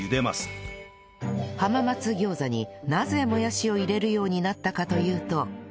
浜松餃子になぜもやしを入れるようになったかというと